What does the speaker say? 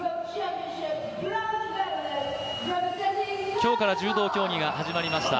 今日から柔道競技が始まりました。